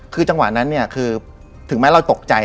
คือจังหวะนั้นเนี่ยคือถึงแม้เราตกใจ